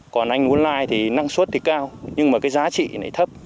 còn anh muốn lai thì năng suất thì cao nhưng mà cái giá trị này thấp